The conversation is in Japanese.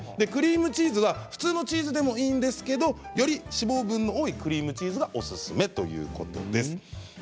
クリームチーズは普通のチーズでもいいんですがより脂肪分の多いクリームチーズがおすすめということです。